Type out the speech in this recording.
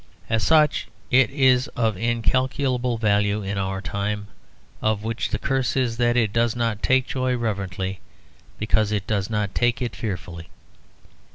As such it is of incalculable value in our time, of which the curse is that it does not take joy reverently because it does not take it fearfully.